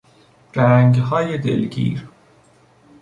رنگهای دلگیر